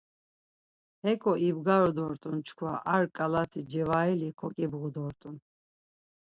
Heǩo ibgaru dort̆un çkva ar ǩalati cevaili koǩibğu dort̆un.